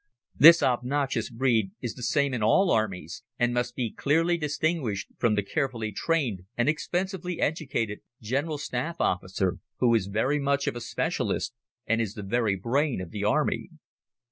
This obnoxious breed is the same in all armies, and must be clearly distinguished from the carefully trained and expensively educated General Staff Officer, who is very much of a specialist and is the very brain of the Army.